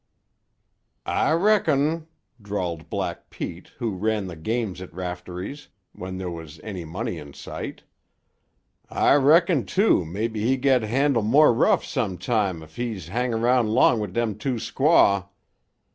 "I reck ong," drawled Black Pete, who ran the games at Raftery's when there was any money in sight. "I reck ong too mebbe he get handle more rough some tam ef he's hang 'round long wid dem two squaw.